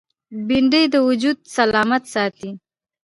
بېنډۍ د وجود سلامت ساتي